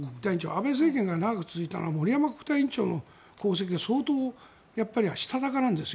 安倍政権が長く続いたのは森山国対委員長が相当したたかなんです。